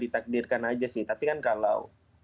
ditakdirkan aja sih tapi kan kalau